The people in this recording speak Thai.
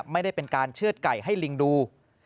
ไม่ได้เป็นการเชื่อดไก่ให้ลิงดู